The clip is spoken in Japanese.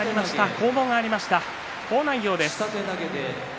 攻防がありました、好内容です。